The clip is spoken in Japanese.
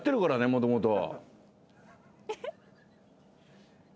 もともと。